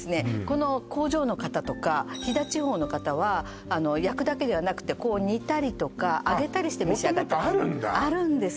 この工場の方とか飛騨地方の方は焼くだけではなくて煮たりとか揚げたりして召し上がるもともとあるんだ？